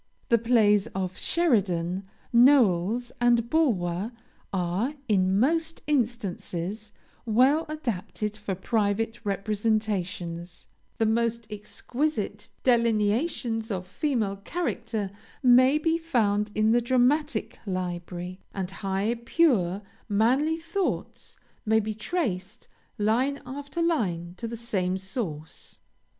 The plays of Sheridan, Knowles, and Bulwer, are, in most instances, well adapted for private representations the most exquisite delineations of female character may be found in the dramatic library, and high, pure, manly thoughts, may be traced, line after line, to the same source.